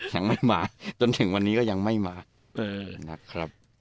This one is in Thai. ยังไม่มาจนถึงวันนี้ก็ยังไม่มานะครับ